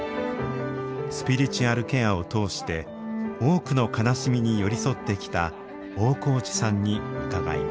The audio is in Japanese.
スピリチュアルケアを通して多くの悲しみに寄り添ってきた大河内さんに伺います。